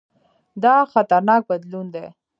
دا خطرناک بدلون دی.